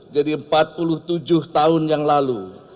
tujuh jadi empat puluh tujuh tahun yang lalu